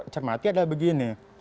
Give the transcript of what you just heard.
cermati adalah begini